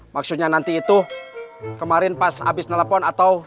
maksudnya nanti itu kemarin pas abis nelfon atau